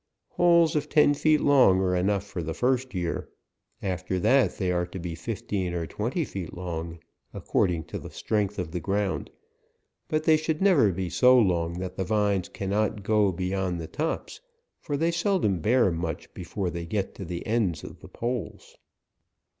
Poles often feet are iong enough for the first ye*ar ; after that they are to be fifteen or twenty feet long, ac cording to the strength of the ground ; but th<>y should never be so long that the vines ot go beyond the tops, for they seldom b"ar much before they get to the ends of the poles.